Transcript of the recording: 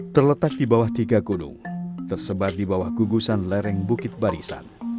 terletak di bawah tiga gunung tersebar di bawah gugusan lereng bukit barisan